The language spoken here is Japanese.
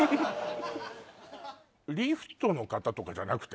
リフトの方とかじゃなくて？